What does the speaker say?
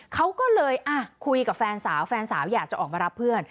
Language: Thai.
เขาก็เลยคุยกับแฟนสาวแฟนสาวอยากจะออกมารับเพื่อน